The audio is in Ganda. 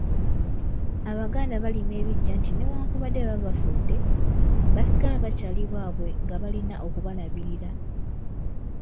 Abaganda balima ebiggya nti newankubadde baba bafudde, basigala bakyaali baabwe nga balina okubalabirira.